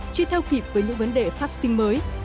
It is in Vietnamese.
chưa theo kịp với những vấn đề phát sinh mới